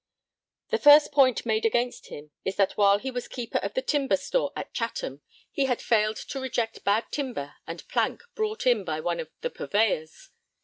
The first point made against him is that while he was keeper of the timber store at Chatham he had failed to reject bad timber and plank brought in by one of the purveyors.